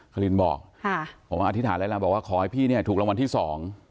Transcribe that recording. คลินบอกค่ะผมอธิษฐานแล้วล่ะบอกว่าขอให้พี่เนี่ยถูกรางวัลที่สอง